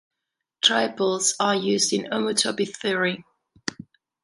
Triples are used in homotopy theory.